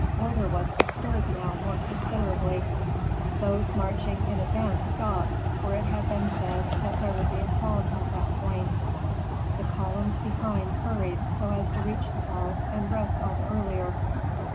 Order was disturbed now more considerably. Those marching in advance stopped, for it had been said that there would be a halt at that point; the columns behind hurried so as to reach the halt and rest all the earlier.